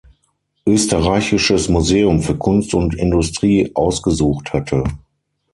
Österreichisches Museum für Kunst und Industrie ausgesucht hatte.